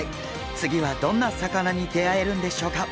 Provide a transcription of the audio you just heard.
次はどんな魚に出会えるんでしょうか？